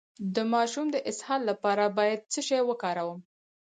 د ماشوم د اسهال لپاره باید څه شی وکاروم؟